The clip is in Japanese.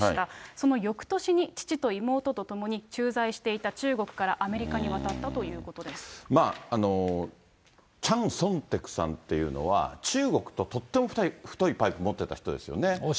そのよくとしに父と妹とともに駐在していた中国からアメリカに渡チャン・ソンテクさんというのは、中国ととっても太いパイプ持ってた人ですね。